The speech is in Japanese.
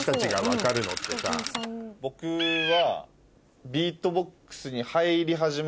僕は。